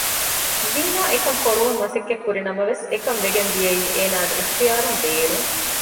ޒީނާ އެކަން ފޮރުވަން މަސައްކަތް ކުރި ނަމަވެސް އެކަންވެގެން ދިޔައީ އޭނަގެ އިޙްތިޔާރުން ބޭރުން